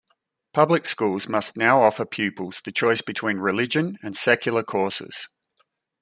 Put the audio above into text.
Public schools must now offer pupils the choice between religion and secular courses.